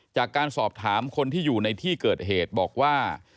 จากการสอบถามคนที่อยู่ในที่เกิดเหตุบอกว่า